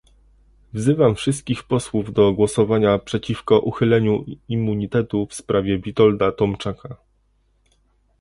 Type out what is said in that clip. Wzywam wszystkich posłów do głosowania przeciwko uchyleniu immunitetu w sprawie Witolda Tomczaka